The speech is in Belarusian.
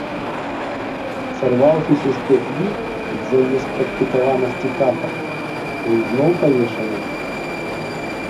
Сарваўшыся з пятлі з-за неспрактыкаванасці ката, быў зноў павешаны.